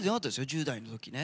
１０代の時ね。